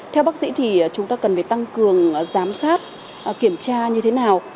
theo bác sĩ thì chúng ta cần phải tăng cường giám sát kiểm tra như thế nào